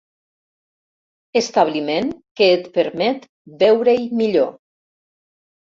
Establiment que et permet veure-hi millor.